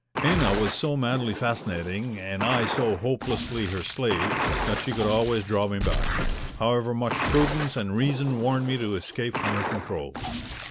Ena was so madly fascinating and I so hopelessly her slave that she could always draw me back, however much prudence and reason warned me to escape from her control.